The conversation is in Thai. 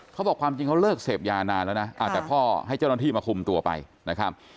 เขาบอกความจริงเขาเลิกเสพยานานแล้วนะแต่พ่อให้เจ้าหน้าที่มาคุมตัวไปนะครับ